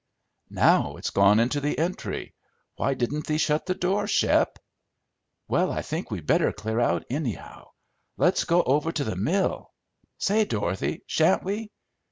"Now it's gone into the entry. Why didn't thee shut the door, Shep?" "Well, I think we'd better clear out, anyhow. Let's go over to the mill. Say, Dorothy, shan't we?"